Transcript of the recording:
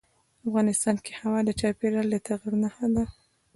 افغانستان کې هوا د چاپېریال د تغیر نښه ده.